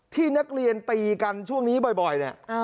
ที่นักเรียนตีกันช่วงนี้บ่อยเนี่ย